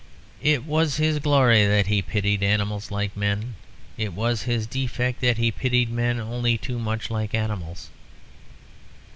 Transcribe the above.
It was his glory that he pitied animals like men; it was his defect that he pitied men only too much like animals.